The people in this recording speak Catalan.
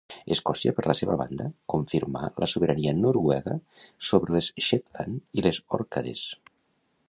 Escòcia, per la seva banda, confirmà la sobirania noruega sobre les Shetland i les Òrcades.